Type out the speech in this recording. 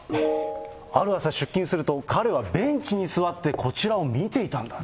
ある朝出勤すると、彼はベンチに座ってこちらを見ていたんだと。